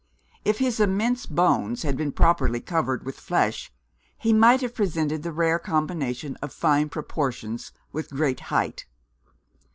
If his immense bones had been properly covered with flesh, he might have presented the rare combination of fine proportions with great height.